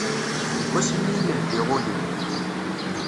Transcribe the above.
Deg wass mi i m-ldiɣ ul-iw.